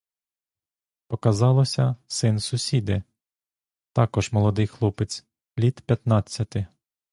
Показалося — син сусіди, також молодий хлопець, літ п'ятнадцяти.